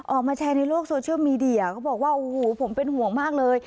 ออกมาแชร์ในโลกโซเชียลมีเดียเขาบอกว่าโอ้โหผมเป็นห่วงมากเลย